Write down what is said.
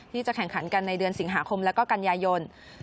ที่จะแข่งขันกันในเดือนสิงหาคมแล้วก็กันยายน